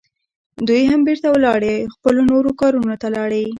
دوی هم بیرته ولاړې، خپلو نورو کارونو ته لاړې.